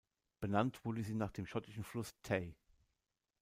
Benannt wurde sie nach dem schottischen Fluss Tay.